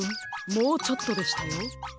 もうちょっとでしたよ。